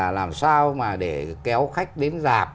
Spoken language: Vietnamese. không sao mà để kéo khách đến dạp